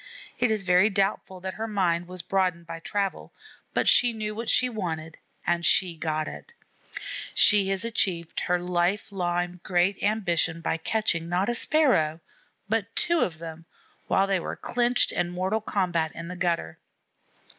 It is very doubtful that her mind was broadened by travel, but she knew what she wanted and she got it. She has achieved her long time great ambition by catching, not a Sparrow, but two of them, while they were clinched in mortal combat in the gutter.